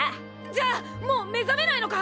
じゃあもう目覚めないのか！？